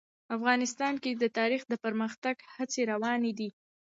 افغانستان کې د تاریخ د پرمختګ هڅې روانې دي.